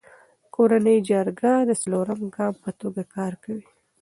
کورنی جرګه د څلورم ګام په توګه کار کوي.